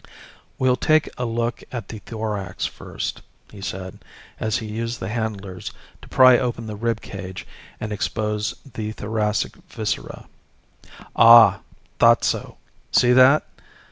"We'll take a look at the thorax first," he said, as he used the handlers to pry open the rib cage and expose the thoracic viscera. "Ah! Thought so! See that?"